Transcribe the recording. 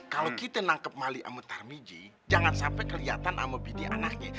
kalau kita nangkep mali sama tarwigi jangan sampai keliatan sama bide anaknya